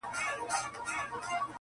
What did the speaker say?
و تیارو ته مي له لمره پیغام راوړ,